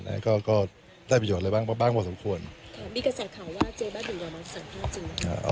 นะฮะก็ก็ได้ผิดหยุดอะไรบ้างบ้างบอกสำควรมีกระแสข่าวว่าเจบัตรอยู่หรือไม่รับสารภาพจริง